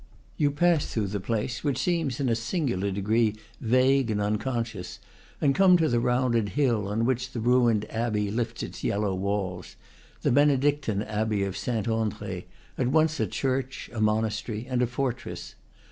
You pass through the place, which seems in a singular degree vague and unconscious, and come to the rounded hill on which the ruined abbey lifts its yellow walls, the Benedictine abbey of Saint Andre, at once a church, a monastery, and a fortress.